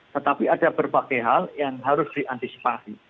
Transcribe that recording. tetapi ada berbagai hal yang harus diantisipasi